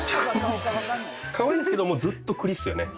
かわいいんですけどずっと栗ですよね。